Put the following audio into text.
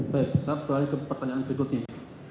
baik saya kembali ke pertanyaan berikutnya